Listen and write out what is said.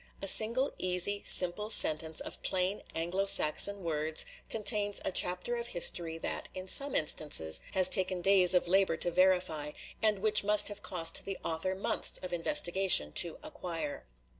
A single, easy, simple sentence of plain Anglo Saxon words, contains a chapter of history that, in some instances, has taken days of labor to verify, and which must have cost the author months of investigation to acquire."